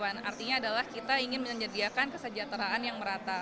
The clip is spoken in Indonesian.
yang terpenting adalah kita ingin menyediakan kesejahteraan yang merata